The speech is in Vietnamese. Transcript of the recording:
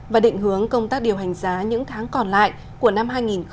và định hướng công tác điều hành giá những tháng còn lại của năm hai nghìn hai mươi